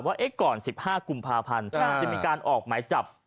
ว่าก่อน๑๕กุมภาพันธ์จะมีการออกหมายจับ